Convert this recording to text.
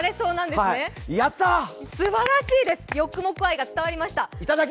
すばらしいです、ヨックモック愛が伝わりました。